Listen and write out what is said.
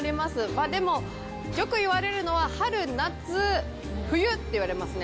まあでも、よくいわれるのは、春、夏、冬っていわれますね。